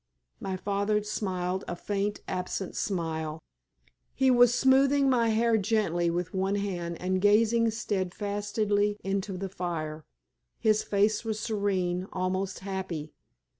My father smiled a faint, absent smile. He was smoothing my hair gently with one hand and gazing steadfastly into the fire. His face was serene, almost happy.